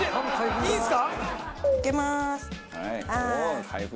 いいんですか？